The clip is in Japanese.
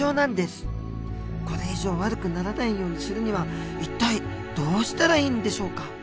これ以上悪くならないようにするには一体どうしたらいいんでしょうか？